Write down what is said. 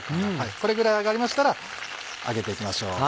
これぐらい揚がりましたら上げていきましょう。